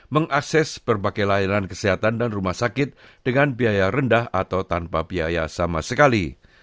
mengakses berbagai layanan kesehatan dan rumah sakit dengan biaya rendah atau tanpa biaya sama sekali